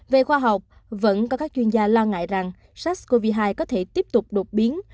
về khoa học vẫn có các chuyên gia lo ngại rằng sars cov hai có thể tiếp tục đột biến